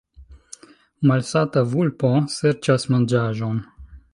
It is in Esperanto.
Malsata vulpo serĉas manĝaĵon.